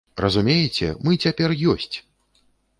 Разумееце, мы цяпер ёсць!